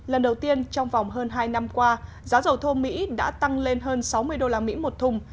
lần đầu tiên trong vòng hơn hai năm qua giá dầu thô mỹ đã tăng lên hơn sáu mươi usd một thùng